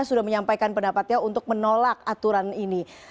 sudah menyampaikan pendapatnya untuk menolak aturan ini